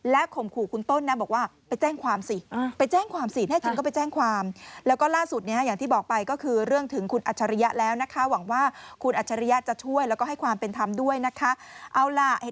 และข่มขู่คุณต้นเนี่ยบอกว่าไปแจ้งความสิ